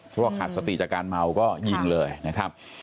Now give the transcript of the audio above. เพราะว่าขาดสติจากการเมาก็ยิงเลยนะครับ